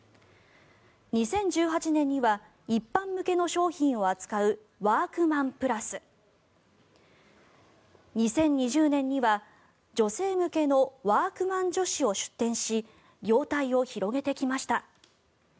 ２０１８年には一般向けの商品を扱うワークマンプラス２０２０年には女性向けのワークマン女子を出店し業態を広げてきました。